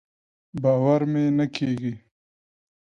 باور مې نۀ کېږي.